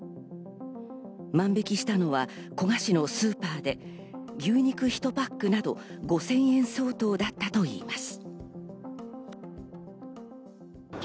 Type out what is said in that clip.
万引したのは古河市のスーパーで牛肉１パックなど５０００円相当だったといいます。